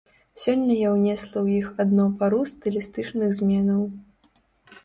Сёння я ўнесла ў іх адно пару стылістычных зменаў.